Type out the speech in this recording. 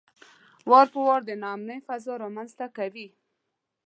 وار په وار د ناامنۍ فضا رامنځته کوي.